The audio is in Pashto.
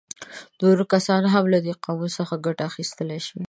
نور کسان هم له دې قاموس څخه ګټه اخیستلی شي.